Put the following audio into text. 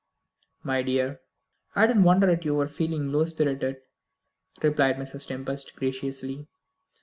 "My dear, I don't wonder at your feeling low spirited," replied Mrs. Tempest graciously.